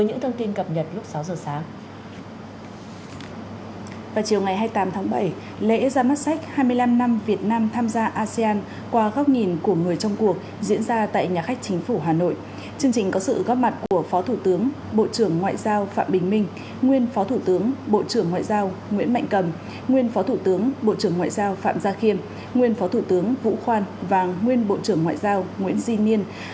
chương trình có sự góp mặt của phó thủ tướng bộ trưởng ngoại giao phạm bình minh nguyên phó thủ tướng bộ trưởng ngoại giao nguyễn mạnh cầm nguyên phó thủ tướng bộ trưởng ngoại giao phạm gia khiên nguyên phó thủ tướng vũ khoan và nguyên bộ trưởng ngoại giao nguyễn di niên